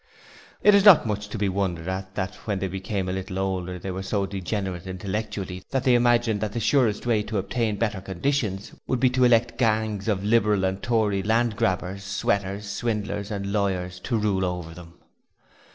It is not much to be wondered at that when they became a little older they were so degenerate intellectually that they imagined that the surest way to obtain better conditions would be to elect gangs of Liberal and Tory land grabbers, sweaters, swindlers and lawyers to rule over them.